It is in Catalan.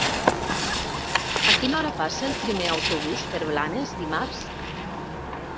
A quina hora passa el primer autobús per Blanes dimarts?